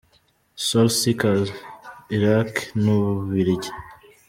Soul Seekers - Iraq n’u Bubiligi .